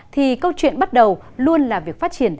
thì câu chuyện bắt đầu luôn là việc phát triển